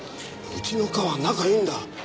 うちの課は仲いいんだ。